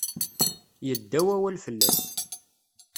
Yedda wawal fell-as.